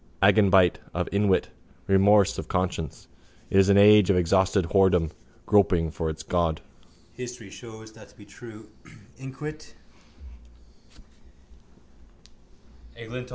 Agenbite of inwit: remorse of conscience. It is an age of exhausted whoredom groping for its god.